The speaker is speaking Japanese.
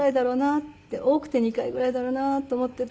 多くて２回ぐらいだろうなと思って。